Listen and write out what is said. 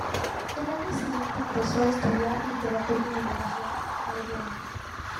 Al año siguiente ingresó a estudiar literatura en la Universidad Javeriana.